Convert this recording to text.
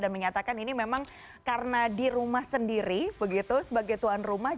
dan menyatakan ini memang karena di rumah sendiri begitu sebagai tuan rumah